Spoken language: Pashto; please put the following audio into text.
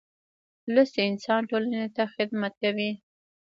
لوستی انسان ټولنې ته خدمت کوي.